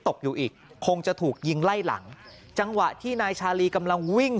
ตกอยู่อีกคงจะถูกยิงไล่หลังจังหวะที่นายชาลีกำลังวิ่ง